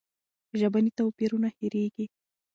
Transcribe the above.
ژبني توپیرونه هېرېږي.